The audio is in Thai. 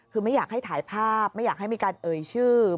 คือไม่อยากให้ถ่ายภาพไม่อยากให้มีการเอ่ยชื่อ